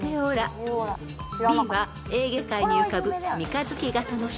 ［Ｂはエーゲ海に浮かぶ三日月形の島］